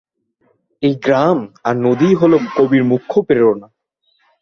এই গ্রাম আর নদীই হল কবির মুখ্য প্রেরণা।